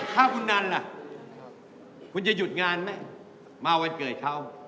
ถ้าคุณนันล่ะคุณจะหยุดงานไหมมาวันเกิดเขา